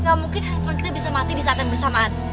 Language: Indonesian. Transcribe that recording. gak mungkin handphone kita bisa mati di saat yang bersamaan